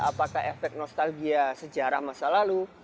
apakah efek nostalgia sejarah masa lalu